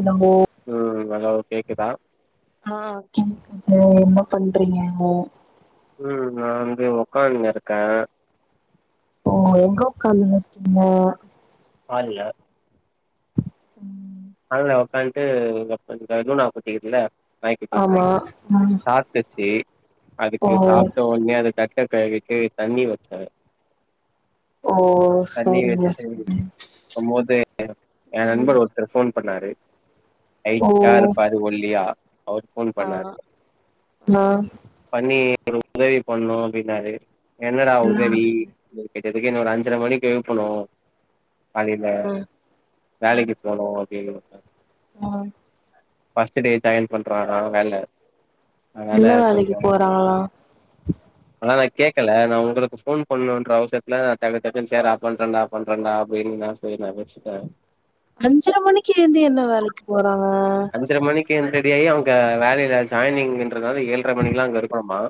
இலங்கோ ம் ஹலோ கேக்குதா ஆ கேக்குது என்ன பண்றீங்க ம் நா வந்து உக்கார்ந்து இருக்க ஓ எங்க உக்கார்ந்து இருக்கீங்க ஹால்ல ம் ஹால்ல உக்காந்துட்டு ஒர்க் பண்ற [unintelligible] ஆப்பர்ட்டி இருக்குல்ல நாய்குட்டி ஆமா ம் சாப்புட்டுச்சு ஓ அதுக்கு சாப்ட்ட உடனே அத தட்ட கழுவிட்டு தண்ணி வச்ச ஓ சரிங்க வச்சு சரிங்க ம் எனக் ஃபோன் பண்ணாரு ஓ ஐட்டா இருப்பாரு ஒல்லியா அவர் ஃபோன் பண்ணாரு நான் பண்ணி ஒரு உதவி பண்ணு அப்டின்னாரு என்னடா உதவி அப்டினு கேட்டதுக்கு ஒரு அஞ்சற மணிக்கு எழுப்பணு காலைல அ வேலைக்கு போனு அப்டின்னு அ ஆ ஃபஸ்ட் டே ஜாயின் பண்றாறா வேல அதனால என்ன வேலைக்கு கொஞ்சம் போறாங்களா ஆனா நா கேட்கல நா உங்களுக்கு ஃபோன் பண்ணுன்ற அவசரத்துல நா டக்கு டக்கு சேரா ஆஃப் பண்றன்டா ஆஃப் பண்றன்டா அப்டின்ன போய் நெனச்சிட்ட அஞ்சர மணிக்கு எழுந்து என்ன வேலைக்கு போறாங்க அஞ்சர மணிக்கு எந் ரெடியாயி அவங்க வேலையில ஜாயினிங்கன்றதால ஏழர மணிகல்லா அங்க இருக்கணுமா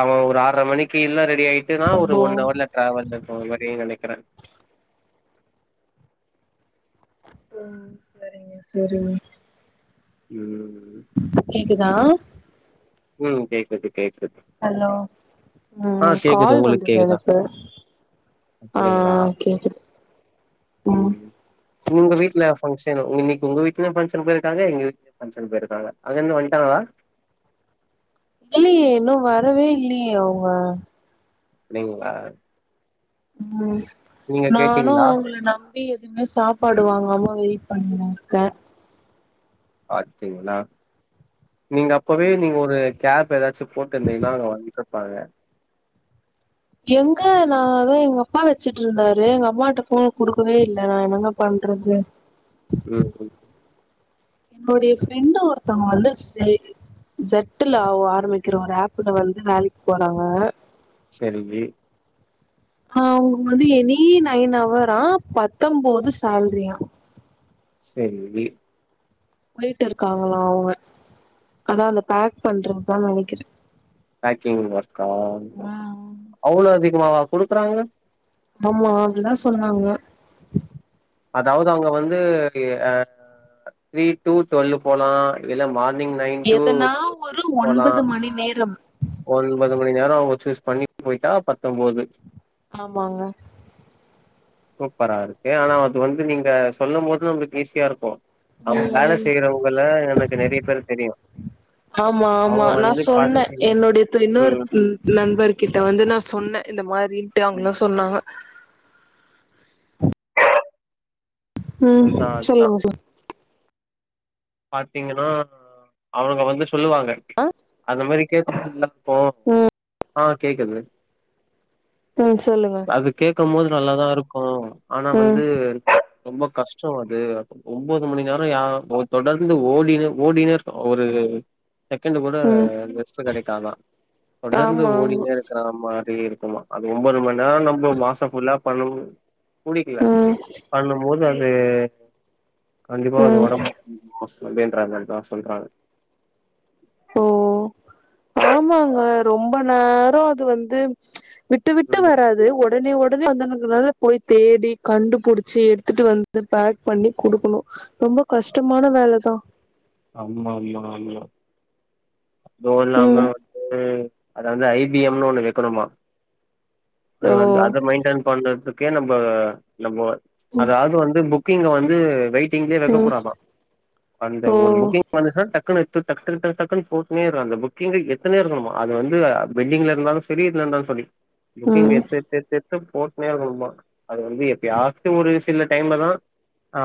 அவன் ஒரு ஆர்ர மணிக்கி எல்லா ரெடி ஆயிட்டுன்னா ஒரு அப்போ ஒண்ணு அவர்ல டிராவல்ல போற மாரி நெனைக்கிற ம் சரிங்க சரிங்க ம் கேக்குதா ம் கேக்குது கேக்குது ஹலோ ஆ ம் கால் வந்துது எனக்கு ஆ அப்டிங்களா கேக்குது ம் உங்க வீட்ல ஃபங்கஷனு இன்னக்கி உங்க வீட்ல ஃபங்க்ஷன் போய்ர்க்காக எங்க வீட் ஃபங்க்ஷன் பேய்ருக்காங்க அங்கேருந்து வன்டாங்ளா இல்லயே இன்னு வரவே இல்லயே அவுங்க அப்டிங்களா ம் நானு கேட்டீங்களா? உங்கள நம் ப்டி எதுமே சாப்பாடு வாங்காம வெயிட் பண்ணுவேக்க பாத்திங்களா நீங்க அப்பவே நீங்க ஒரு கேப் ஏதாச்சு போட்டு இருந்திங்னா அங்க வந்துர்ருப்பாங்க எங்க நாதேன் எங்க அப்பா வச்சுட்டுருந்தாரு எங்க அம்மாட்ட ஃபோன குடுக்கவே இல்ல நா என்னங்க பண்றது ம் ம் எனோடைய ஃப்ரெண்ட்டு ஒருத்தவங்க வந்து சேரி செட்டுல அவ ஆரம்மிக்கிறோ ரப்பிடோ வந்து வேலைக்கு போறாங்க செலுவி ஆ அவுங்க வந்து எனி நைன் அவரா பத்தொம்போது சால்ரியா செல்வி போய்ட்டு இருக்காங்களா அவுங்க அதா அந்த பேக் பண்றதுதா நெனக்கிற பேக்கிங் ஒர்க்கா ம் அவ்ளோ அதிகமாவா குடுக்றாங்க ஆமா அதுதான் சொன்னாங்க அதாவுது அவுங்க வந்து அ த்ரீ டூ டுவல்லு போலா இல்ல மார்னிங் நைன் டூ எதனா ஒரு சிக்ஸ் போலா ஒன்பது மணி நேரம் ஒன்பது மணி நேரோ அவுங்க சூஸ் பண்ணி போய்ட்டா பத்தொம்போது ஆமாங்க சூப்பரா இருக்கு ஆனா அது வந்து நீங்க சொல்லும் போது உங்ளுக்கு ஈஸியா இருக்கு அவுங்க வேல ம் செய்யறவங்கள எனக்கு நெறைய பேரு தெரியு ஆமா ஆமா நா சொன்ன பாத்தீங்க என்னோடைய து இன்னொரு ம் நண்பர்கிட்ட வந்து நா சொன்ன இந்த மாரின்ட்டு ம். அவுங்களும் சொன்னாங்க ம் அதுதான், அதுதான். சொல்லுங்க சார் பாத்தீங்கன்னா அவனுங்க வந்து சொல்லுவாங்க அந்த மாரி கேக்கத்துக்கு போ ஆ கேக்குது ம் சொல்லு அது கேக்கும் போது நல்லாதா இருக்கு ஆனா ம் வந்து ரொம்ப கஷ்டோ அது ஒன்பது மணி நேரம் யா தொடர்ந்து ஓடினே ஓடினே இருக்கும் ஒரு செகண்ட் கூட ம் ரெஸ்ட் கெடைக்காதா தொடர்ந்து ஆமா ஆமா ஓடின்னே இருக்கற மாரி இருக்குமா அது ஒன்பது மணி நேரம் நம்ம மாச ஃபுல்லா பண்ணணு குடிக்கல ம் பண்ணும் போது அது கண்டிப்பா அது ம் உடம்பு [unintelligible] அவங்க அதா சொல்ராங்க ஓ ஆமாங்க ரொம்ப நேரோ அது வந்து விட்டு விட்டு ம் வராது உ உடனே உடனே வந்ததுனால போய் தேடி கண்டுபுடிச்சு எடுத்துட்டு வந்து பேக் பண்ணி குடுக்கணு ரொம்ப கஷ்டமான வேல தா ஆமாமா ஆமா அதுவு இல்லாம ம் வந்து அத வந்து ஐ பி எம் னு ஒண்ணு வைக்கணுமா அது வந்து ஓ அத மெயின்டென் பண்றதுக்கே நம்ம நம்ம அந்த ஆர்டர் வந்து புக் புக்கிங் ல வந்து வெயிட்டிங்லயே வைக்க ம் கூடாதா அந்த ஓ ஒரு புக்கிங் வந்துச்சுனா டக் புக்கிங் ல வந்து டக் டக் டக் டக்குனு போட்டுனே இருக்கணுமா அந்த புக்கிங் ல எத்துனே இருக்கணுமா அது வந்து பெண்டிங் ல இருந்தாலு சேரி சேரி இதுல இருந்தாலு சொல்லி புக்கிங் ம் எத்து எத்து எத்து எடுத்து போட்டுனே இருக்கணுமா அது வந்து எப்பயாச்சு ஒரு சில டைம் லதா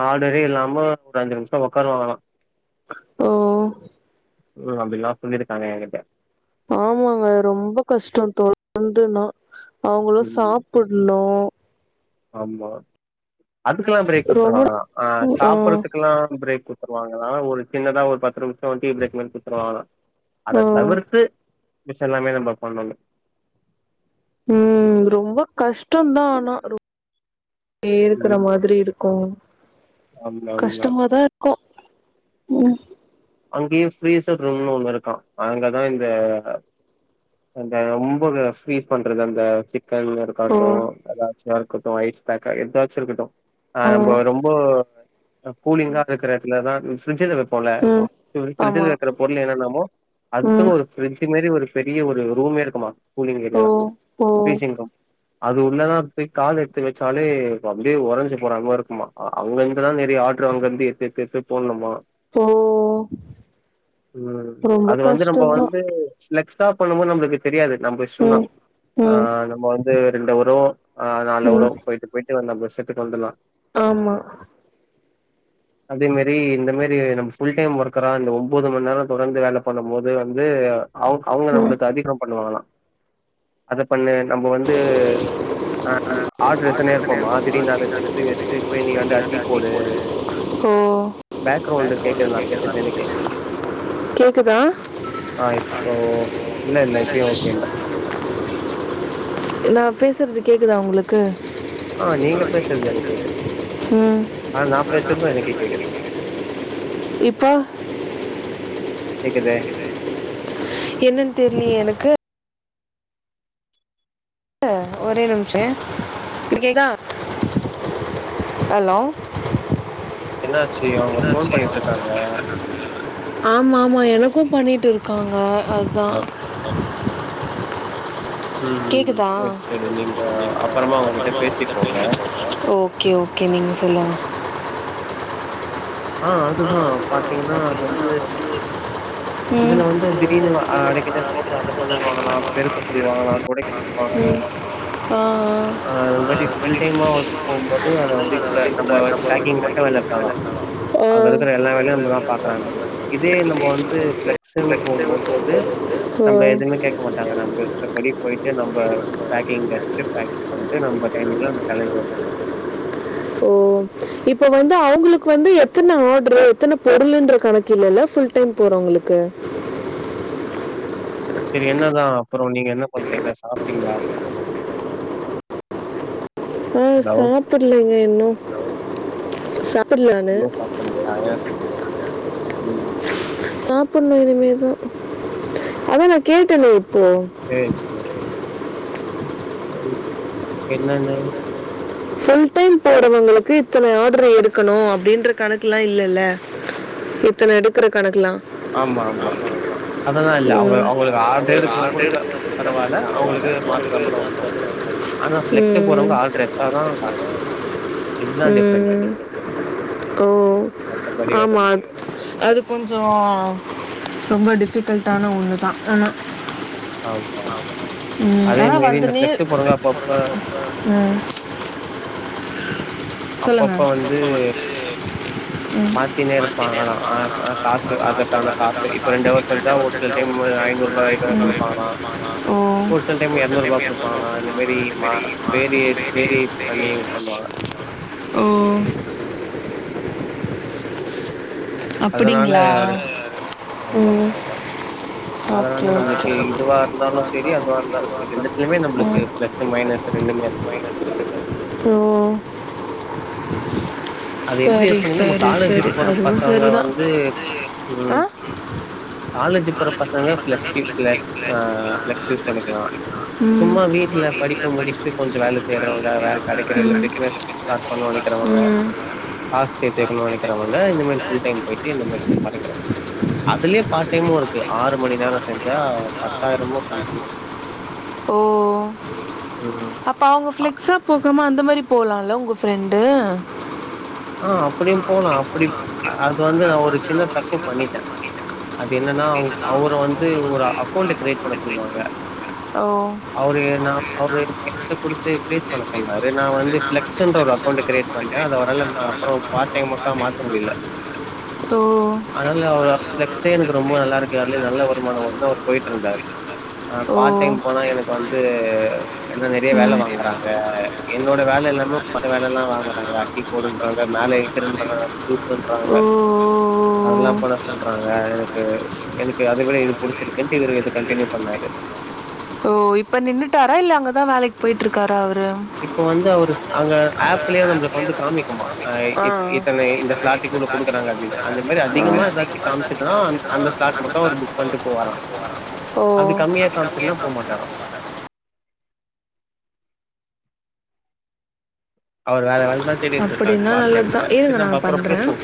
ஆர்டரே இல்லாம ஒரு அஞ்சு நிமிஷ உக்காருவாங்கலா ஓ ம் அப்டிலா சொல்லிருக்காக ஏங்கிட்ட ஆமாங்க ரொம்ப கஷ்டோ தொடந்துனா அவங்களு ம் சாப்புடுணு ஆமா அதுக்கெல்லா பிரேக் ரொம்ப குடுத்துருவாங்கலா ஆ சாப்படறதுக்கெலா பிரேக் குடு குடுத்துருவாங்கலா ஓரு சின்னதா ஒரு பத்து நிமிஷோ டீ பிரேக் மாரி குடுத்துருவாங்கலா ஆ அத தவிர்த்து மிச்ச எல்லாமே நம்ம பண்ணனு ம் ரொம்ப கஷ்டோன்தா ஆனா வேர்குற ம் மாரி இருக்கு ஆமா ஆமா கஷ்டமாதா இரு க்கோ ம் அங்கையு ப்ரீசர் ரூம்னு ஒண்ணு இருக்கா அங்கதா இந்த அந்த ரொம்ப ப்ரீஸ் பண்றது அந்த சிக்கன் வேற ஓ க்கட்டு ஏதாச்சுமா இருக்கட்டு ஐஸ் பேக்கா எதாச்சு இருக்கட்டு ஆ நம்ப ரொம்ப கூலிங்கா இருக்கற இடத்துலதா பிரிட்ஜில வைப்போல ம் இத மாரி ஆமா ஃப்ரிட்ஜ்ல வைக்கிற பொருள் என்னன்னமோ ம் அதுக்குன்னு ஒரு ஃப்ரிட்ஜு மேரி ஒரு பெரிய ஒரு ரூமே இருக்குமா கூலிங் ஓ ஏரியா ஓ ஃபரீஸிங் ரூம் அது உள்ளதா அப்டியே கால் எடுத்து வச்சாலே அப்டியே உறஞ்சு போறமாரி இருக்குமா அவங்ககிட்ட தா நெறைய ஆர்ட்ரு அங்கருந்து எடுத் எடுத் எடுத்து போடணுமா போ ம் அது வந்து நம்ம வந்து ஃப்ளெக்ட்ஸ்டா பண்ணு போது நம்ளுக்கு தெரியாது நம்ம இஷ்டதா ம் ஆ ம் நம்ம வந்து ரெண்டவரோ அ நாலவரோ ம் போயிட்டு போயிட் டு நம்ம செட்டுட்டு வந்துர்லா ஆமா அதே மாரி இந்த மாரி நம்ம ஃபுல் டைம் ஒர்க் கெலா இந்த ஒம்போது மண்ணேரோ தொடர்ந்து வேல பண்ணும்போது வந்து அவங் அவங்க ம் நம்ளுக்கு அதிக பண்ணுவாங்களா அத பண்ணு நம்ம வந்து ஆ ஆர்டரு ஆடிட்டே அட்ச்சினேருப்போமா இருக்கும் திடிர்னு ஆதினி அத இங்க எடுத்து வச்சட்டு தான் போய் நீ வந்து அந்த டீ போடு ஓ பேக்ரவுண்டு கேக்குதா பேக்ரவுண்டில் நா கேட்குறது பேசுறது எனக்கே தான் கேக்குதா ஆ இப்போ இல்ல இல்ல இல்லை இப்பயு ஓகே இல்லை இல்ல நா பேசுறது கேட்குதா உங்களுக்கு ஆ நீங்க பேசுறது எனக்கு கேக்குது ம் ஆனா நா பேசுறது எனக்கே கேக்குது இப்ப கேக்குதே என்னன்னு தெரிலயே எனக்கு க்க ஒரே நிமிஷே இப்பகேக்குதா ஹலோ என்னாச்சு அவங்க ஃபோன் என்னாச்சு பண்ணிட்டு இருக்காங்க. [unintelligible] ஆமா ஆமா எனக்கு பண்ணிட்டு இருக்காங்க அதா அதான். ம், ம். கேக்குதா சரி, சரி. நீங்க இல்ல அப்புறமா அவங்ககிட்ட அப்றோமா அவுங்கட பேசிக்கோங்க. பேசி பாப்போ ஓ ஓகே ஓகே நீீங்க சொல்லுங்க ஆ அதுதா பாத்தீங்கன்னா அது வந்து ம் இதுல வந்து திடீர்ன்னு வ ஆ திடீர்னு அடிக்கிட்டேருக்கு போது ஆ, அத பண்ணுன்னுவாங்கலா அரைக்க பெருக்க சொல்வாங்கலா போட்டு தொடைக்க அரைக்க வேணாம் சொலுவாங்கலா நெருப்பு போட்டு ம் ஆ ஆ அத மாரி அது மாதிரி ஃபுல்டைமா சுத்தமா போம்போது அத வந்து போகும்போது அதை வந்துக்கூட வந்து நம்ம இப்ப வந்து பேக்கிங் மட்டு வேல இருக் மட்டும் வேலை ஆமா பண்ணலாம் ஆ அங்க இருக்கிற எல்லா வேலையு நம்மதா வேலையும் பாக்குறா நம்ம தான் மாரி இருக்குமா இதே பார்க்கணும் நம்ம வந்து ஃப்ளெக்ஸ்ஸுனு ஃப்ளெக்ஸிபிள் போம்போது வந்து போகும்போது நம்மள ம் எதுவுமே கேக்க மாட்டாங்க நம்ப இஷ்டப்படி போயிட்டு நம்ப பேக்கிங்டச்சிட்டு பேக்கிங் பண்ட்டு நம்ப டைமிங்ல நம்ப கெளம்பி வந்துர்லா ஓ! இப்ப வந்து அவங்களுக்கு வந்து எத்தன ஆமா ஆர்டரு எத்தன பொருளுன்ற கணக்கு இல்லல்ல ஃபுல் டைம் போறவங்களுக்கு சேரி என்னதா அப்றோ நீங்க என்ன பண்றீங்க சாப்டீங்களா ஆ ஹலோ சாப்படலங்க இன்னு சாப் பிட்ல நானு இன்னும் சாப்பிடலையா ஏன்? ம் சாப் புட்னு இனிமேதா அதா நா கேட்டனே இப்போ சரியாயிருச்சி மேம் சேரி என்னன்னு ஃபுல் டைம் போறவங்களுக்கு இத்தன ஆர்டரு எடுக்கணு அப்டின்ற கணக்கெல்லா இல்லல்ல இத்தன எடுக்குற கணக்கெலா ஆமா ஆமா அதெல்லா இல்ல அவுங்க ம். இல்ல அவுங்களுக்கு அவங்க அவங்க ஆர்டரே ஒரு எடுக்கலனாக்கூட ஆர்டர் தா எடுத்துட்டு பரவாயில்ல பரவாயில்ல அவங்களுக்கு மாச சம்பளோ அவங்களுக்கு வந்துரு மாசம் ஆனா ஃப்ளெக்ஸ்சு ம். போறவங்க ஆர்டரு எடுத்தாதா காசு இதுதா டிஃப்ரெண்டு ம். ஓ மத்தபடி வேற ஆமா ஒன்னும் அது டிஃப்ரெண்ட் அது கிடையாது கொஞ்சோ ரொம்ப டிஃபிகல்ட்டான ஒன்னு தா ஆனா ஆமா ஆமா ம் அதே ஆனா மாரி வந்து இந்த நீ பிளெக்ஸ் போறவங்க அப்பப்ப ம் அப்பப்ப வந்து ம் மாத்தினே இருப்பாங்கலா அ இருப்பாங்க அ காசு அதுக்கான காசு இப்ப இந்த வருஷ் செஞ்சா ஒரு சில டைம்மு ஐநூறு ரூபா எதுகாது குடுப்பாங்க ஒரு சில டைம் எறநூறு ரூபா குடுப்பாங்க இந்த மாரி மா வேரியேட் வேரியேட் பண்ணி இது பண்ணுவாங்க ஓ அதனால அப்டிங்களா ஓ ஆமா ஓகே அதனால ஓகே நம்மளுக்கு சிலமே நம்புளுக்கு பிளஸ்சு மைனஸ்சு ரெண்டுமே இருக்கு ஓ அது எப்டி சரி, யூஸ் பண்ணி நம்ம சரி, சரி. காலேஜிக் போற அதுவும் பசங்க சரிதான். வந்து வந்து ஆ? ம் காலேஜ்க் போற காலேஜ் பசங்க பிளஹ்கி ப்ளஸ் டூ பிளஸ் ஆ ப்ளஸ் ஃப்லெக்ஸ் யூஸ் ஃப்ளெக்ஸ் பண்ணிக்லா பண்ணிக்கலாம் ம். சும்மா வீட்ல படிப் பு படிப்பு முடிச்சுட்டு கொஞ்சோ வேல கொஞ்சம் வேலையில தேட்றவங்க வேற செய்றவங்க வேலை ம். கடைக்குறதுல கிடைக்கிற பிஸ்னஸ் இல்லை ஸ்டார்ட் பண்ணு பிஸ்னஸ் நெனக்கிறவங்க ம். காஸ் சேத்து பார்ட் வக்கணு டைம் ஜாப் நெனகிறவங்க இந்த மாரி ஃபுல் டைம் போய்ட்டு இந்த மாரி பண்ணிக்கிறவங்க சம்பாரிக்கலா அதுலயே இந்த பார்ட் மாதிரி டைமு அதுலேயே இருக்கு பார்ட் டைம் ஆறு வந்து மணி நேரம் ஆறு மணி செஞ்சா பத்தாயிரமோ சம்திங் ஓ ஓ ம் அப்ப அவங்க அ ஃப்ளெக்ஸா போகாம அந்த மாரி போலால ஒங்க ஃப்ரெண்டு ஆ அப்டியு போலா அப்டி அது வந்து நா ஒரு சின்ன தப்பு பண்ணிட்டே அது என்னன்னா அவ அவுர அவரு வந்து ஒரு அக்கௌண்ட் க்ரியேட் பண்ண அமௌண்ட் பே சொல்லுவாங்க பண்ணிருந்தாங்க ஓ அவரு நா அவரு எனக்கு என்ட்ட கிஃப்ட் குடுத்து கிரியேட் பே பண்ண சொன்னாரு நான பண்ணிருந்தாரு வந்து நா ஃப்ளெக்ஸ்ன்ற ஒரு ஃப்ளெக்ஸ்ன்னு அக்கௌண்ட் கிரியேட் அமௌண்ட் பண்டே பண்ணிட்டே அத அதோடலம அவரால அப்புறோ பார்ட் டைம் ஒரு ஓர்க்கா வார்த்தை கூட மாத்த நா முடில முடியல ஓ அதனால அவரு அவரோட ஃபெளெக்ஸ்ஸே எனக்கு ரொம்ப ஃப்ளெக்ஸே நல்லாருக்கு நல்லா அதுலயே நல்ல இருக்கு அதுல வருமானம் வருதுன்னு அவரு ஒரு நல்ல போயிட்டுருந்தாரு போயிட்டு இருந்தாரு ஆ ஓ பார்ட் டைம் போனா மார்னிங் எனக்கு வந்து எல்லா நெறைய வந்து வேல ம் பெரிய வேலை வாங்குறாங்க குடுக்குறாங்க என்னோட வேல இல்லாம வேலை என்ன வேற தெரியுமா வேலலா அந்த வேலைன்னா வாங்குறாங்க அட்டி வந்து பேக்கிங் போடுன்றாங்க மேல குடுக்குறாங்க மேலே இருக்குறன்றாங்க இழுத்துட்டு திக்குண்றாங்க ஓ ஓ அதல்லா ஓ. பண்ண அதெல்லாம் போட சொல்றாங்க எனக் க்கு எனக்கு அத விட எனக்கு இது அதுவே புடிச்சிருக்குன்ட்டு இவரு இது கண்டினியூ செட்டில் பண்ணி பண்ணாரு ஓ இப்ப நின்னுட்டாரா இல்ல அங்கதா வேலைக்கு போயிட்ருக்காரா அவரு இப்ப வந்து அவரு அங்க அந்த ஆப்லயே நம்பளுக்கு வந்து நம்மளுக்கு காமிக்குமா காமிக்கும் ஆ இத் இத்தன இந்த இத்தனை ஸ்லாட்டுக் குலுள்ள ஸ்டார்டிங் குடுக்குறாங்க ஒன்று அப்டின்டு கொடுக்குறாங்க அந்த மாரி அதிகமா அப்படின்னு எதாச்சும் அதிகமாக ஏதாச்சும் காம்சிதுனா காமிச்சுன்னா அந்த ஸ்லாட் மட்டு அவரு ஸ்டார்ட் புக் பண்ட்டு மட்டும் போவாரா கொஞ்சம் போகலாம் ஓ அப்டி கம்மியா அப்படி கம்மியாக காம்ச்சிதுனா காமிச்சுன்னா போமாட்டரா போக மாட்டாங்க அவர் வேற வேலதா தேடிட்டுருக்காரு அப்படின்னா பார்ட் நல்லது டைம்ல தான் இருங்க செரி நம்ப நான் அப்புறோ பண்ணுறேன் பேசுவோ